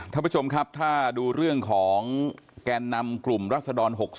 ท่านผู้ชมครับถ้าดูเรื่องของแกนนำกลุ่มรัศดร๖๒